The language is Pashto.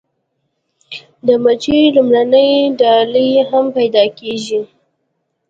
د مچیو لومړنۍ ډلې هم پیدا کیږي